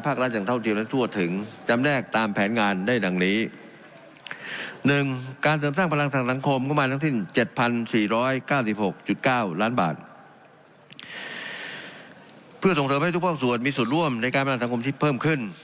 เพื่อส่งเสริมให้ทุกภาคส่วนมีส่วนร่วมในการพนันสังคมที่เพิ่มขึ้น